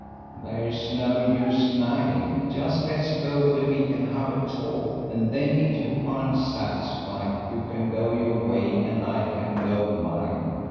"There's no use nagging; just let's go where we can have a talk, and then if you aren't satisfied you can go your way and I can go mine.